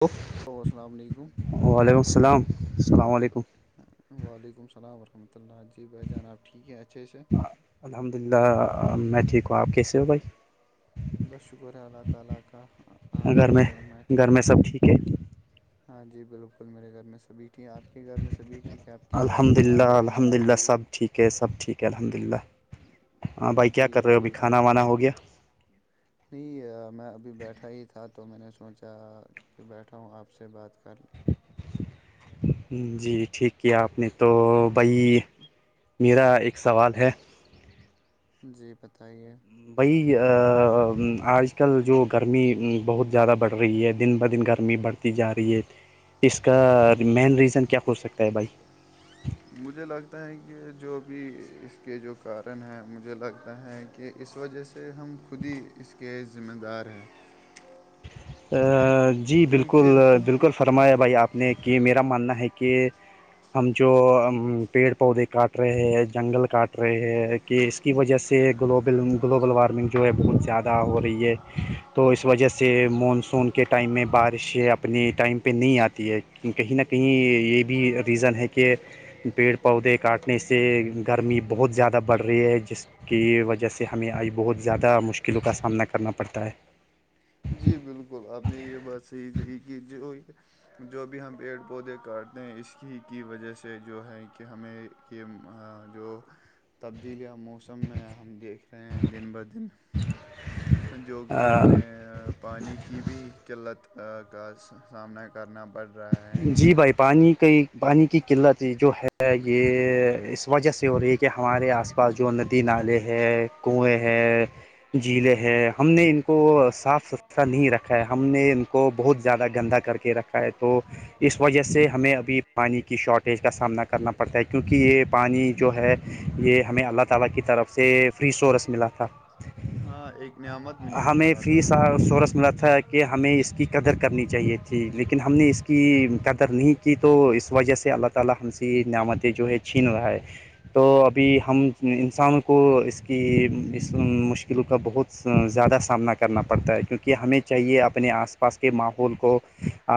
دو [unintelligible] hello السلام علیکم وعلیکم السلام السلام علیکم وعلیکم السلام ورحمۃ اللہ جی بہ جان آب ٹھیک ہیں اچھے سے الحمد للہ میں ٹھیک ہوں آپ کیسے ہو بھائی بس شکر ہے اللہ تعالی کا گھر آ میں سب میی ٹھک باکی سب گھر میں ٹھیک ہے ٹھک ہاں جی بالکل میرے گھر میں سبھی تھی آپ کے گھر میں سبھی تھی کہ آپ کے الحمد للہ والدین بھائی الحمد بہن للہ سب ٹھیک ہے سب ٹھیک ہے الحمد للہ ہاں بھائی کیا جی کر رہے ہو ابھی آپ کا کھانا وانا ہو گیا نہیں میں ابھی بیٹھا ہی تھا تو میں نے سوچا کہ بیٹھا ہوں آپ سے بات کر لیں جی ٹھیک کیا آپ نے تو بھائی میرا ایک سوال ہے جی بتائیے بھی آج کل جو گرمی بہت زیادہ بڑھ رہی ہے دن بہ دن گرمی بڑھ جا رہی ہے اس کا مین ریزن کیا ہو سکتا ہے بھائی مجھے لگتا ہے کہ جو بھی اس کے جو کارن ہیں مجھے لگتا ہے کہ اس وجہ سے ہم خود ہی اس کے ذمہ دار ہیں جی بالکل کیونکہ بالکل فرمایا بھائی آپ نے کہ میرا ماننا ہے کہ ہم جو پیڑ پودے کاٹ رہے ہیں جنگل کاٹ رہے ہیں کہ اس کی وجہ سے گلوبل گلوبل وارمنگ جو ہے بہت زیادہ ہو رہی ہے تو اس وجہ سے مانسون کے ٹائم میں بارشیں اپنے ٹائم پہ نہیں آتی ہے کہیں نہ کہ کہیں یہ بھی ریزن ہے کہ پیڑ پودے کاٹنے سے گرمی بہت زیادہ بڑھ رہی ہے جس کی وجہ سے ہمیں آگے بہت زیادہ مشکلوں کا سامنا کرنا پڑتا ہے جی بالکل بالکل آپ نے یہ بات صحیح کہی جو جو بھی ہم پیڑ پودے کاٹتے ہیں اس کی کی وجہ سے جو ہے کہ ہمیں کہ جو تبدیلیاں موسم موسم میں ہم دیکھ رہے ہیں دن بہ دن جو کہ ہمیں پانی کی بھی قلت کا سامنا کرنا پڑ رہا ہے جی بھائی پانی کے بانی کی قلت جو ہے یہ اس وجہ سے ہو رہی ہے کہ ہمارے آس پا بعس جو ندی نالے ہے کنویں ہے جیلیں ہیں ہم نے ان کو صاف ستھرا نہیں رکھا ہے ہم نے ان کو بہت زیادہ گندا کر کے رکھا ہے تو اس وجہ سے ہمیں ابھی پانی کی شارٹیج کا سامنا کرنا پڑتا ہے کیونکہ یہ پانی جو ہے یہ ہمیں اللہ تعالی کی طرف سے فری سورس ملا تھا ہاں ایک نعمت ملی تھی ہمیں اللہ فیری تعالی کی سورس ملا تھا کہ کہ ہمیں اس کی قدر کرنی چاہیے تھی لیکن ہم ہم نے اس کی قدر نہیں کی تو اس وجہ سے اللہ تعالی ایسی نعمتیں جو ہیں چھین رہا ہے تو ابھی ہم انسان کو اس کی اس مشکلوں کا بہت زیادہ سامنا کرنا پڑتا ہے کیونکہ ہمیں چاہیے اپنے آس پاس کے ماحول کو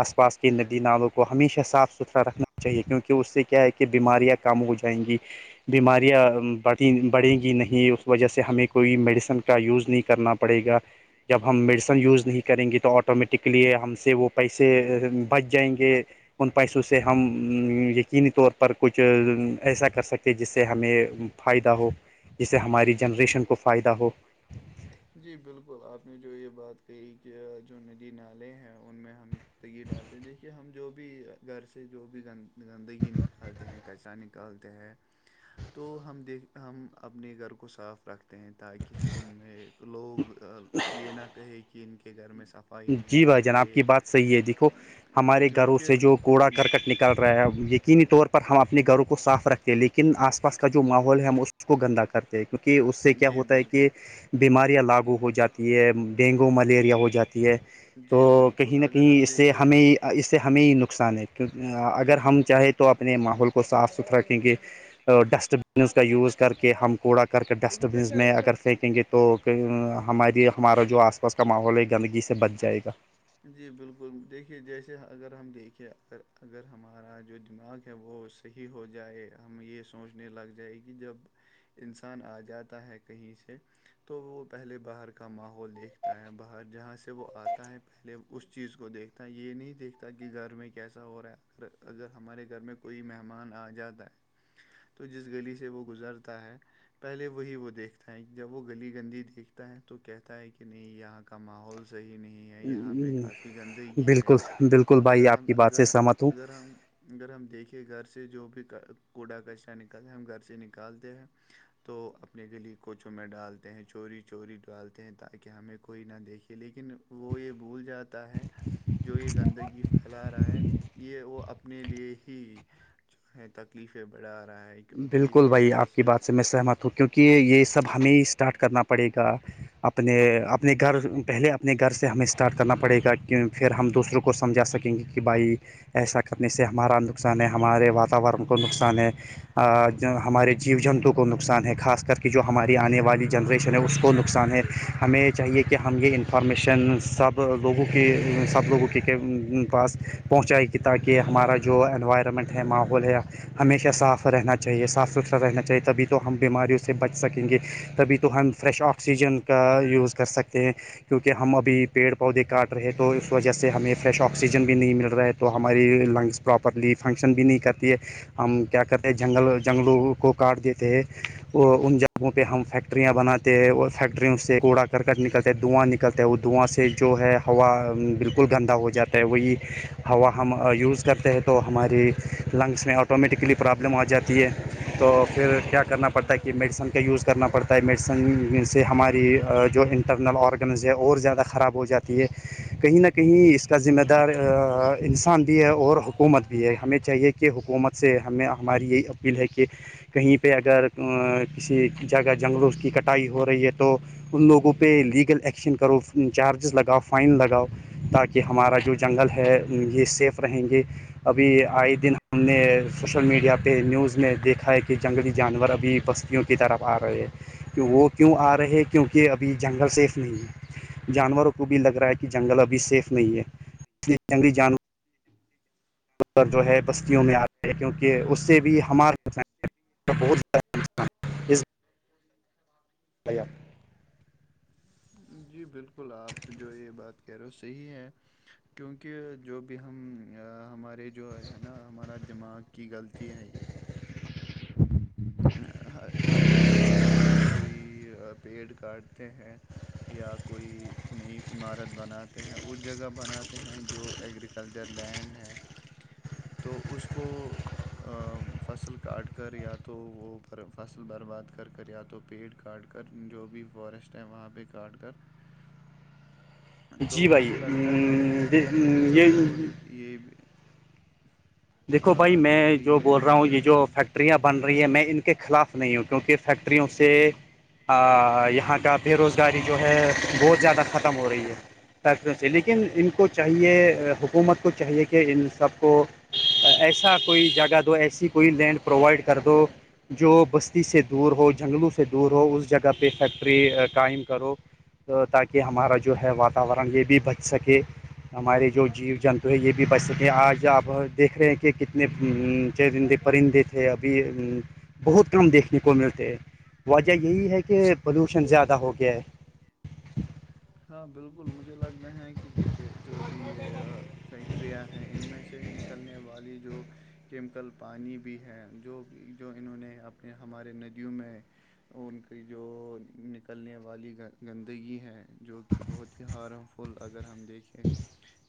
آس پاس کے ندی نالوں کو ہمیشہ صاف ستھرا رکھنا چاہیے کیونکہ اس سے کیا ہے کہ بیماریاں کم ہو جائیں گی بیماریاں بڑھیں بڑھیں گی نہیں اس وجہ سے ہمیں کوئی میڈیسن کا یوز نہیں کرنا پڑے گا جب ہم میڈیسن یوز نہیں کریں گے تو آٹومیٹکلی ہم سے وہ پیسے سے بچ جائیں گے ان پیسوں سے ہم یقینی طور پر کچھ ایسا کر سکتے جس سے ہمیں فائدہ ہو جس سے ہماری جنریشن کو فائدہ ہو جی بالکل آپ نے جو یہ بات کہی کہ جو ندی نالے ہیں ان میں ہم گندگی ڈالتے دیکھیے ہم جو بھی گھر سے جو بھی گندگی نکالتے ہیں کسا نک کالتے ہیں تو ہم دیکھ ہم اپنے گھر کو صاف رکھتے ہیں تاکہ ہمیں لوگ یہ نہ کہیں کہ ان کے گھر میں سف جی بھائی جان آپ کی بات صحی ہے دیکھو ہمارے گھروں کیونکہ سے جو کوڑا کرکٹ نکال یقینی طور پر ہم اپنے گھروں کو صاف رکھتے ہیں لیکن آس پاس کا جو ماحول ہے اس کو گندا کر کیونکہ اس سے کیا جی ہوتا ہے کہ بالکل بیماریاں لاگو ہو جاتی ہے ڈینگو ملیریا ہو جاتی ہے تو جی کہیں بالکل نہ اگر کہیں ہم اس سے دیکھیں ہمیں اس سے ہمیں نقصان ہے کیہ جی اگر ہم بالکل چاہیں تو آپ اپنے ماحول کو صاف ستھر رکھیں گے ڈسٹ بین کا یوز کر کے ہم کوڑا کر کے ڈسٹ بینس میں اگر پھینکیں گے تو ہماری ہمارا جو آ آس پاس کا معاملہ لے کر جی بالکل دیکھیے جیسے اگر ہم دیکھے اگر اگر ہمارا جو دماغ ہے وہ سہی ہو جائے ہم یہ سوچنے لگ جائے کہ جب انسان آ جاتا ہے کہیں سے تو وہ پہلے باہر کا ماحول دیکھ تا ہے باہر جہاں سے وہ آتا ہے پہلے اس چیز کو دیکھتا ہے یہ نہیں دیکھتا کہ گھر میں کیسا ہو رہا ہے اگر ہمارے گھر میں کوئی مہمان آ جاتا ہے تو جس گلی سے وہ گزرتا ہے پہلے وہی وہ دیکھتا ہے جب وہ گلی گندی دیکھتا ہے تو کہتا ہے کہ کہ نہیں یہاں کا ماحول صحیح نہیں ہے یہاں پہ کافی گندگی ہے بالکل بالکل بھائی اگر آپ ہم کی بات سے اگر سہمت ہوں اگر ہم اگر ہم دیکھیں گھر سے جو بھی کوڑا کچرا نکلتا ہے ہم گھر سے نکالتے ہیں تو اپنے گلی کوچوں میں ڈالتے ہیں چوری چوری ڈالتے ہیں تاکہ کہ ہمیں کوئی نہ دیکھیے لیکن وہ یہ بھول جاتا ہے جو یہ گندگی پھیلا رہا ہے یہ وہ اپنے لیے ہی جو ہے تکلیفیں بڑھا رہا ہے کیونکہ بالکل اسی بھائی وجہ آپ کی بات سے میں سہمت ہوں کیونکہ یہ سب ہمیں ہی اسٹارٹ کرنا پڑے گا اپنے اپنے گھر پہلے اپنے گھر سے ہمیں اسٹارٹ کرنا پڑے گا تاکہ پھر ہم دوسروں کو سمجھا سکیں گے کہ بھائی ایسا کرنے سے ہمارا نقصان ہے ہمارے واتاورن کو نقصان ہے ہمارے جیو جنتو کو نقصان ہے خاص کر کے جو ہماری آنے والی جنریشن ہے اس کو نقصان ہے ہمیں چاہیے کہ ہم یہ انفارمیشن سب لوگوں کی سب لوگوں کے پاس پہنچائے کیی تاکہ ہمارا جو انوائرمنٹ ہے ماحول ہے ہمیشہ صاف رہنا چاہیے صاف ستھرا رہنا چاہیے تبھی تو ہم بیماریوں سے بچ سکیں گے تبھی تو ہم فریش آکسیجن کا یوز کر سکتے ہیں کیونکہ ہم ابھی پڑ پودے کاٹ رہے ہیں تو اس وجہ سے ہمیں فریش آکسیجن بھی نہیں مل رہا ہے تو ہماری لنگس پراپرلی فنکشن بھی نہیں کرتی ہے ہم کیا کہتے ہیں جنگل جنگلوں کو کاٹ دیتے ہیں اور ان جگہوں پہ ہم فیکٹریاں بناتے ہیں فیکٹریوں سے کوڑا کرکٹ نکلتے دواں نکلتے وہ دھواں سے جو ہے ہوا بالکل گندا ہو جاتا ہے وہی ہوا ہم یوز کرتے ہیں تو تو ہماری لنگس میں آٹومیٹکلی پرابلم آ جاتی ہے تو پھر کیا کرنا پڑتا ہے کہ میڈیسن کا یوز کرنا پڑتا ہے میڈیسن سے ہماری جو ان ایکٹرنل آرگنز ہے اور زیادہ خراب ہو جاتی ہے کہیں نہ کہیں اس کا ذمہ دار انسان بھی ہے اور حکومت بھی ہے ہمیں چاہیے کہ حکومت سے ہمیں ہماری یہی اپیل ہے کہ کہیں پہ اگر کسی جگہ جنگلوں کی کٹائی ہو رہی ہے تو ان لوگوں پہ لیگل ایکشن کرو چارجز لگاؤ فائن لگاؤ تاکہ ہمارا جو جنگل ہے یہ سیف رہیں گے ابھی آئے دن ہم نے سوشل میڈیا پہ نیوز میں دیکھا ہے کہ جنگلی جانور ابھی بستیوں کی طرف آ رہے ہیں کہ وہ کیوں آ رہے کیونکہ ابھی جنگل سیف نہیں ہے جانوروں کو بھی لگ رہا ہے کہ جنگل ابھی سیف نہیں ہے اس لیے جنگلی جانور جو ہے بستیوں میں آتے ہے کیونکہ اس سے بھی ہمارے بہتیادہ [unintelligible] جی بالکل آپ جو یہ بات کہہ رہے ہو صحیح ہیں کیونکہ جو بھی ہم ہمارے جو ہے نا ہمارا دماغ کی غلطی ہے یہ [inaudible] ہ [unintelligible] ہم جب بھی کوئی پیڑ کاٹتے ہیں یا کوئی نئی عمارت بناتے ہیں وہ جگہ بناتے ہیں جو ایگریکل کلچر لینڈ ہے [inaudible] تو اس کو فصل کاٹ کر یا [inaudible] پر فصل برباد کر کر یا تو پیڑ کاٹ کر جو بھی فورسٹ ہے وہاں پہ کاٹ کر تو جی بھائی مجھے لگتا ہے جو یہ بھی دیکھو بھائی میں جو بول رہا ہوں یہ جو فیکٹریاں بن رہی ہیں میں ان کے خلاف نہیں ہو کیونکہ فیکٹریوں سے یہاں کا بے روزگاری جو ہے بہت زیادہ ختم ہو رہی ہے فیکروں سے لیکن ان کو چاہیے حکومت کو چاہیے کہ ان سب کو ایسا کوئی جگہ دو ایسی کوئی لینڈ پرووائڈ کر دو جو بستی سے دور ہو جنگلوں سے دور ہو اس جگہ پہ فیکٹری قائم کرو تاکہ ہمارا جو ہے واتاورن یہ بھی بچ سکے ہمارے جو جیو جنتو ہے یہ بھی بچ سکے آج اب دیکھ رہے ہیں کہ کتنے چندے پرندے تھے ابھی بہت کم دیکھنے کو ملتے ہیں وجہ یہی ہے کہ پلوشن زیادہ ہو گیا ہے ہاں بالکل مجھے لگنا ہے کہ دیکھیے جو بھی ہے یار فیکٹریاں ہیں ان میں سے نکلنے والی جو کیمیکل پانی بھی ہے جو جو انہوں نے اپنے ہمارے ندیوں میں ان کی جو نکلنے والی گندگی ہے جو کہ بہت ہی ہارم فل اگر ہم دیکھیں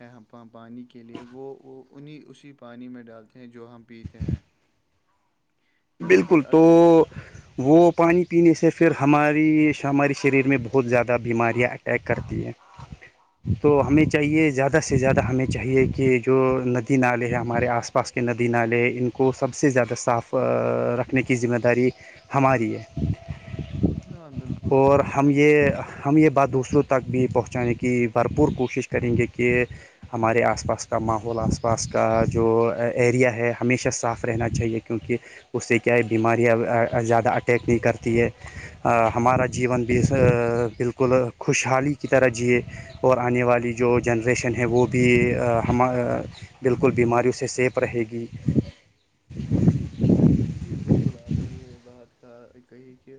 ہیں ہم پانی کے لیے وہ وہ انہیں اسی پانی میں ڈالتے ہیں جو ہم پیتے ہیں بالکل کیونکہ تو اگ- وہ پانی پینے سے پھر ہماری ہماری شریر میں بہت زیادہ بیماریاں اٹیک کرتی ہیں تو ہمیں چاہیے زیادہ سے زیادہ ہمیں چاہیے کہ جو ندی نالے ہیں ہمارے آس پاس آس پاس کے ندی نالے ان کو سب سے زیادہ صاف رکھنے کی ذمہ داری ہماری ہے ہاں بالکل اور اس ہم میں یہ ہم یہ بات دوسروں تک بھی پہنچانے کی بھرپور کوشش کریں گے کہ ہمارے آس پاس کا ماحول آس پاس کا جو ایریا ہے ہمیشہ صاف رہنا چاہیے کیونکہ اس سے کیا ہے بیماریاں زیادہ اٹیک نہیں کرتی ہے ہمارا جیون بھی بالکل خوشحالی کی طرح جیے اور آنے والی جو جنریشن ہے وہ بھی ہم بالکل بیماریوں سے سیف رہے گی جی بالکل آپ نے یہ بات کہا کہی کہ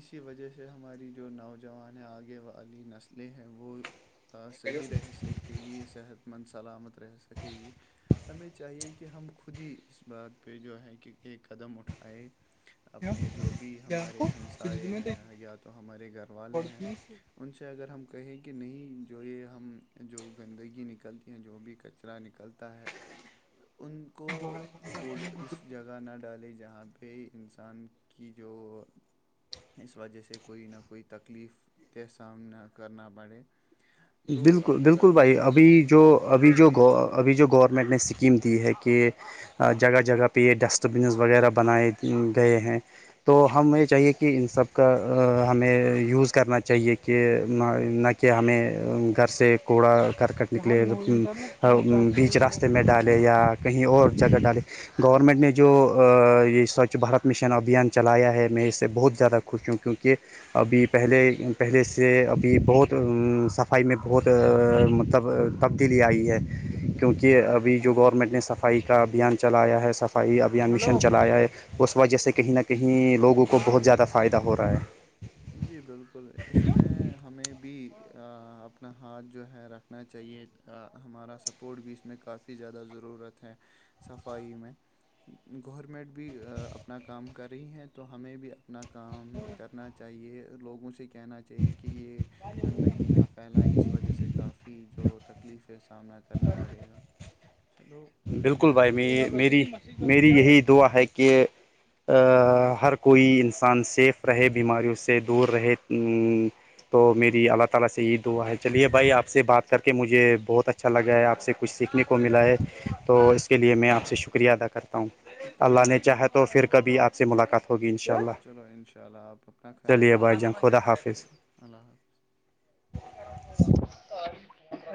اسی وجہ سے ہماری جو نوجوان ہے آگے والی نسلیں ہیں وہ صحیح رہ سکے گی صحت مند سلامت رہ سکے گی ہمیں چاہیے کہ ہم خود ہی اس بات پہ جو ہے کہ ایک قدم اٹھائے اپنے جو بھی ہمارے ہمسائے ہیں یا تو ہمارے گھر والے ہیں ان سے اگر ہم کہیں کہ نہیں جو یہ ہم جو گندگی نکلتی ہیں جو بھی ک کچرا نکلتا ہے ہ ان کو کوڈ اس جگہ نہ ڈالے جہاں پہ انسان کی جو اس وجہ سے کوئی نہ کوئی تکلیف کا سامنا کرنا پڑے تو بالکل ہمیں بالکل لگ- بھائی مجھے ابھی لگتا ہے جو کہ ابھی جب جو بھی ابھی جو گورنمنٹ نے اسکیم دی ہے کہ جگہ جگہ پہ یہ ڈسٹ بنز وغیرہ بنائے گئے ہیں تو ہم یہ چاہیے کہ ان سب کا ہمیں یوز کرنا چاہیے کہ نہ کہ ہمیں گھر سے کوڑا کرکٹ نکلے بیچ راستے میں ڈالے یا کہیں اور جگہ ڈالے گورنمنٹ نے جو یہ سوچھ بھارت مشن ابھیان چلایا ہے میں اس سے بہت زیادہ خوش ہوں کیونکہ ابھی پہلے پہلے سے ابھی بہت سب صفائی میں بہت مطلب تبدیلی آئی ہے کیونکہ ابھی جو گورنمنٹ نے صف صفائی کا ابھیان چلایا ہے صفائی ابھیان مشن چلایا ہے اس وجہ سے کہیں نہ کہیں لوگوں کو بہت زیادہ فائدہ ہو رہا ہے جی بالکل اس میں ہمیں بھی اپنا ہاتھ جو ہے رکھنا چاہیے ہمارا سپورٹ بھی اس میں کافی زیادہ ضرورت ہے صفائی میں گورنمنٹ بھی اپنا کام کر رہی ہیں تو ہمیں بھی اپنا کام کرنا چاہیے لوگوں سے کہنا چاہیے کہ یہ گندگی نف پھیلائی اس وجہ سے کافی جو تکلیف کے سامنا کرنا پڑے گا چلو اس بالکل بارے بھائی میں مجھ پ میری میری یہی دعا ہے کہ ہر کوئی انسان سیف رہے بیماریوں سے دور رہے تو میری اللہ تعالی سے یہ دعا ہے چلیے بھائی آپ سے بات کر کے مجھے بہت اچھا اچھا لگا ہے آپ سے کچھ سیکھنے کو ملا ہے تو اس کے لیے میں آپ سے شکریہ ادا کرتا ہوں چلو اللہ نے میں بھی چاہا آپ تو سے پھر کبھی آپ سے ملاقات ہوگی ان شاء اللہ چلو انشاء اللہ آپ اپنا خیال چلیے بھائی رکھیے جان خدا حافظ اللہ حفظ